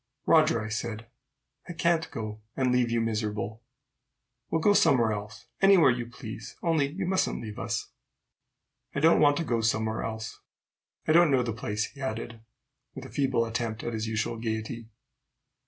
"Roger," I said, "I can't go, and leave you miserable. We'll go somewhere else, anywhere you please, only you mustn't leave us." "I don't want to go somewhere else. I don't know the place," he added, with a feeble attempt at his usual gayety.